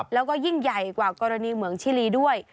แล้วก็ยิ่งใหญ่กว่ากรณีเหมืองชิลีด้วย